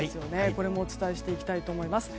これもお伝えしていきたいと思います。